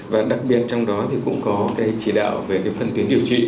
và đặc biệt trong đó thì cũng có cái chỉ đạo về cái phân tuyến điều trị